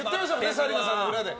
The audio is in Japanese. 紗理奈さんが裏で。